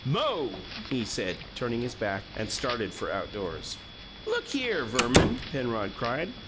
"Mo!" he said, turned his back, and started for outdoors. "Look here, Verman," Penrod cried.